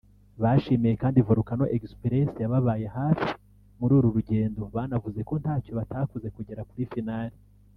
Bashimye kandi Volcano Express yababaye hafi muri uru rugendo banavuze ko ntacyo batakoze kugera kuri Final